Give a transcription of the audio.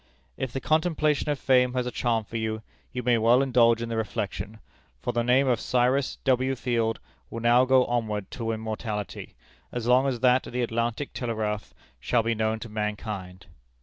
If the contemplation of fame has a charm for you, you may well indulge in the reflection; for the name of Cyrus W. Field will now go onward to immortality, as long as that of the Atlantic Telegraph shall be known to mankind."